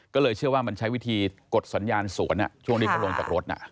ก็เลยเชื่อว่ามันใช้วิธีกดสัญญาณสวนอ่ะค่ะ